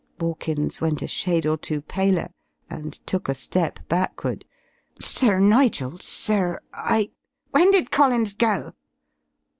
Borkins went a shade or two paler, and took a step backward. "Sir Nigel, sir I " "When did Collins go?"